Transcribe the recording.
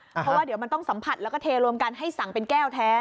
เพราะว่าเดี๋ยวมันต้องสัมผัสแล้วก็เทรวมกันให้สั่งเป็นแก้วแท้